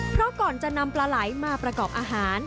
เพราะก่อนจะนำปลาไหลมาประกอบอาหาร